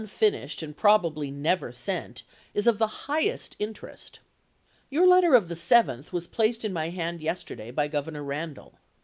finished and probably never sent, is of the highest interest :" Your letter of the 7th was placed in my hand yesterday by Governor Randall.